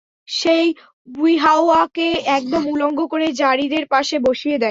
সে ইউহাওয়াকে একদম উলঙ্গ করে যারীদের পাশে বসিয়ে দেয়।